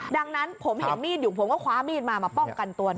ดังนั้นผมเห็นมีดอยู่ผมก็คว้ามีดมามาป้องกันตัว